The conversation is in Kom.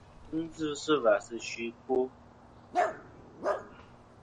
Kɨŋ dzɨ sɨ và sɨ fsi ɨkwo.